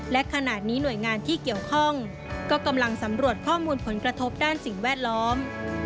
และขณะนี้หน่วยงานที่เกี่ยวข้องก็กำลังสำรวจข้อมูลผลกระทบด้านสิ่งแวดล้อม